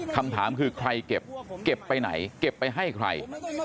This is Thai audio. คำถามคือใครเก็บเก็บไปไหนเก็บไปให้ใคร